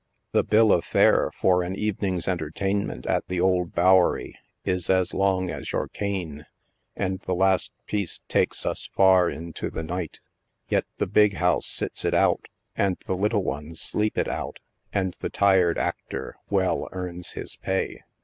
The bill of fare for an evening's entertainment at the Old Bowery is as long as your cane, and the last piece takes us far into the night — yet the big house sits it out, and the little ones sleep it out and the tired actor well earns his pay.